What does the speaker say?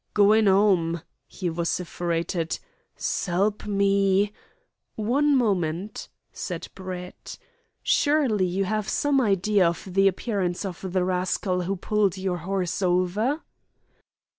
"Goin' 'ome," he vociferated. "S'elp me " "One moment," said Brett. "Surely you have some idea of the appearance of the rascal who pulled your horse over?"